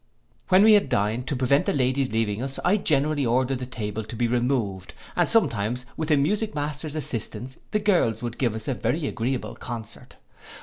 When we had dined, to prevent the ladies leaving us, I generally ordered the table to be removed; and sometimes, with the music master's assistance, the girls would give us a very agreeable concert.